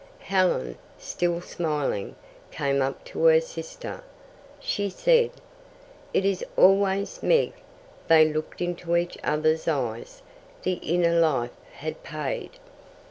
Helen, still smiling, came up to her sister. She said, "It is always Meg." They looked into each other's eyes. The inner life had paid.